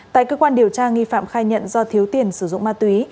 tại cơ quan điều tra nghi phạm khai nhận do thiếu tiền sử dụng ma túy